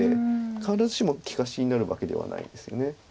必ずしも利かしになるわけではないです。